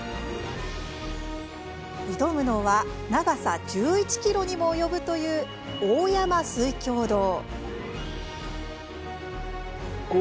挑むのは長さ１１ｋｍにも及ぶという大山水鏡洞。